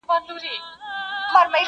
له اوربشو چا غنم نه دي رېبلي٫